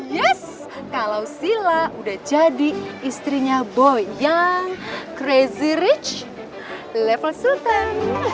yes kalau sila udah jadi istrinya boy yang crazy rich level sultan